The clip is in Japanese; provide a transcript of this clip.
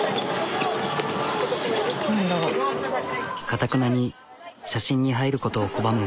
かたくなに写真に入ることを拒む。